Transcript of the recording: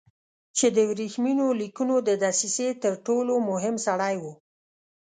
چې د ورېښمینو لیکونو د دسیسې تر ټولو مهم سړی و.